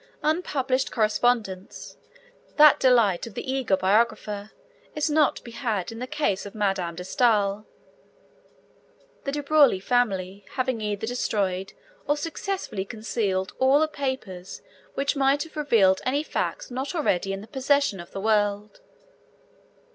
Unpublished correspondence, that delight of the eager biographer, is not to be had in the case of Madame de Stael, the De Broglie family having either destroyed or successfully concealed all the papers which might have revealed any facts not already in the possession of the world.